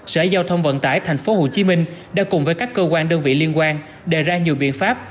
sở giao thông vận tải tp hcm đã cùng với các cơ quan đơn vị liên quan đề ra nhiều biện pháp